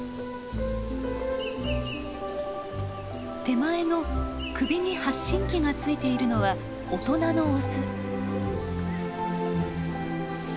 手前の首に発信機がついているのは大人のオス。